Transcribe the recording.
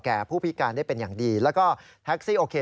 ผู้พิการได้เป็นอย่างดีแล้วก็แท็กซี่โอเค